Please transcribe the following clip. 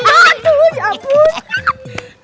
aduh ya ampun